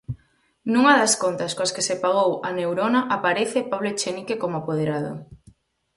Nunha das contas coas que se pagou a Neurona aparece Pablo Echenique como apoderado.